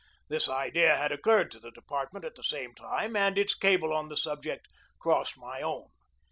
This idea had occurred to the department at the same time, and its cable on the subject crossed my own.